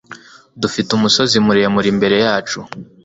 Dufite umusozi muremure imbere yacu.